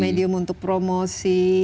medium untuk promosi